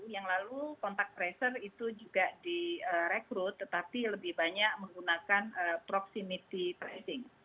yang lalu kontak tracer itu juga direkrut tetapi lebih banyak menggunakan proximity tracing